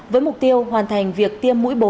với mục tiêu hoàn thành việc tiêm mũi bốn